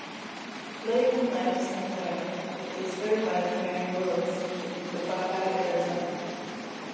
Late in life Sinclair, with his third wife Mary Willis, moved to Buckeye, Arizona.